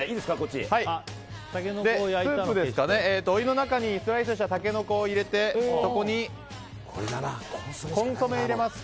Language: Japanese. お湯の中にスライスしたタケノコを入れてそこに、コンソメを入れます。